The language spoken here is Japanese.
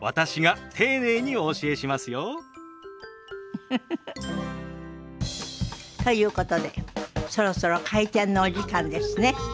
ウフフフ。ということでそろそろ開店のお時間ですね。